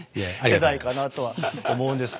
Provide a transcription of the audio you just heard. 世代かなとは思うんです。